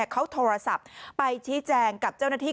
เขาโทรศัพท์ไปชี้แจงกับเจ้าหน้าที่